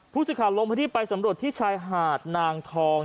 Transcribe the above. ผู้สื่อข่าวลงพื้นที่ไปสำรวจที่ชายหาดนางทอง